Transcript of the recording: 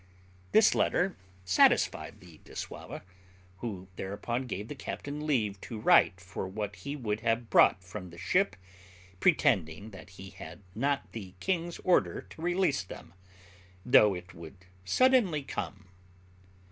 This letter satisfied the dissauva, who thereupon gave the captain leave to write for what he would have brought from the ship, pretending that he had not the king's order to release them, though it would suddenly come.